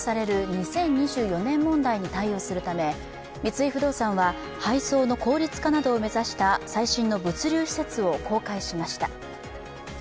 ２０２４年問題に対応するため三井不動産は、配送の効率化などを目指した最新の物流施設を公開しました。